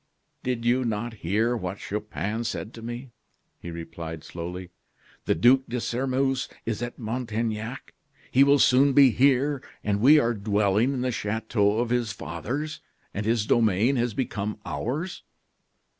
"Did you not hear what Chupin said to me?" he replied, slowly. "The Duc de Sairmeuse is at Montaignac; he will soon be here; and we are dwelling in the chateau of his fathers, and his domain has become ours!"